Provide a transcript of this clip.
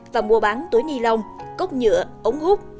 và mua bán túi ni lông cốc nhựa ống hút